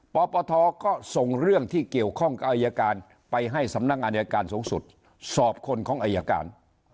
ปปทก็ส่งเรื่องที่เกี่ยวข้องกับอายการไปให้สำนักงานอายการสูงสุดสอบคนของอายการ